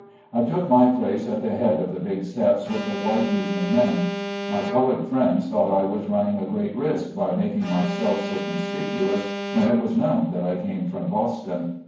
I took my place at the head of the big steps with the white Union men. My colored friends thought I was running a great risk by making myself so conspicuous when it was known that I came from Boston.